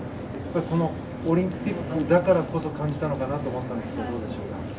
このオリンピックだからこそ感じたのかなと思ったんですがどうでしょうか。